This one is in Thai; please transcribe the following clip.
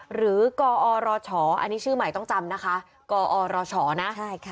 หรือกอรชอันนี้ชื่อใหม่ต้องจำนะคะกอรชนะใช่ค่ะ